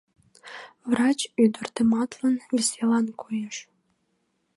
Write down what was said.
Врач ӱдыр тыматлын, веселан коеш.